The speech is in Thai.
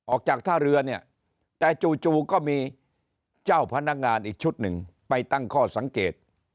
ออกจากท่าเรือเนี่ยแต่จู่ก็มีเจ้าพนักงานอีกชุดหนึ่งไปตั้งข้อสังเกต